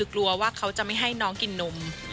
กลัวว่าเขาจะไม่ให้น้องกินนม